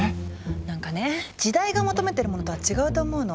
なんかね時代が求めてるものとは違うと思うの。